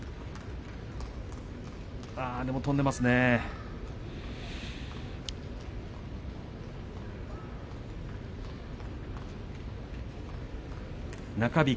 でも飛んでいますね、体が。